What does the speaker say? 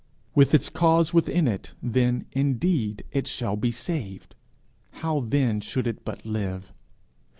With its cause within it, then, indeed, it shall be saved! how then should it but live!